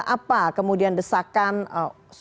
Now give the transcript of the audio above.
apa kemudian desakan soal pengusutan dugaan aliran